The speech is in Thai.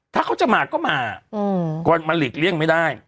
ถ้าเขาจะมาก็มาก็มาหลีกเลี่ยงไม่ได้